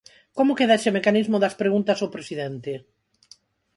¿Como queda ese mecanismo das preguntas ao presidente?